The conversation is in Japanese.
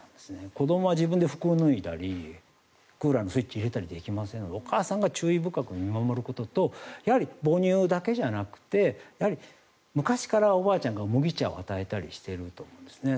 子どもは自分で服を脱いだりクーラーのスイッチを入れたりできないのでお母さんが注意深く見守るということとやはり母乳だけじゃなくて昔からおばあちゃんが麦茶を与えたりしていると思いますね。